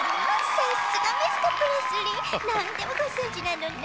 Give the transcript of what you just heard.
さすがミスタープレスリーなんでもごぞんじなのね。